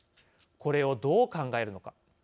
これをどう考えるのか。